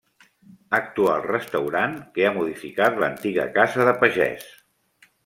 Actual restaurant que ha modificat l'antiga casa de pagès.